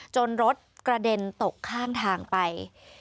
รถกระเด็นตกข้างทางไป